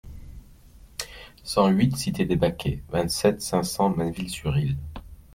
cent huit cité des Baquets, vingt-sept, cinq cents, Manneville-sur-Risle